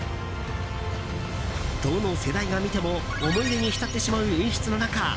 どの世代が見ても思い出に浸ってしまう演出の中